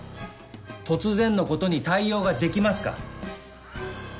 突然のことに対応ができますか？